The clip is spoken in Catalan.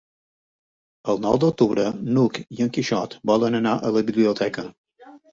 El nou d'octubre n'Hug i en Quixot volen anar a la biblioteca.